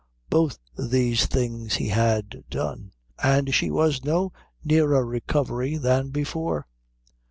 Both these things he had done; and she was no nearer recovery than before.